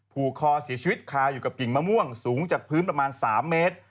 ผูกคอเสียชีวิตคาอยู่กับกิ่งมะม่วงสูงจากพื้นประมาณ๓เมตร